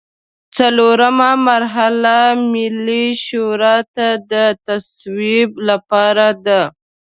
څلورمه مرحله ملي شورا ته د تصویب لپاره ده.